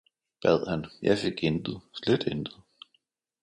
bad han, jeg fik intet, slet intet!